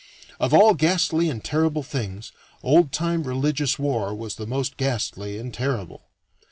Of all ghastly and terrible things old time religious war was the most ghastly and terrible.